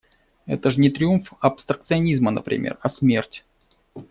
Это ж не триумф абстракционизма, например, а смерть…